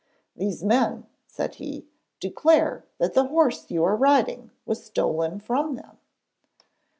'These men,' said he, 'declare that the horse you are riding was stolen from them.'